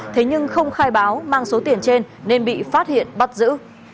thế nhưng không khai báo mang số tiền trên nên bị phát hiện bắt giữ